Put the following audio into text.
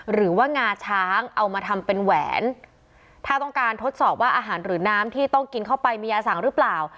งาช้างเอามาทำเป็นแหวนถ้าต้องการทดสอบว่าอาหารหรือน้ำที่ต้องกินเข้าไปมียาสั่งหรือเปล่า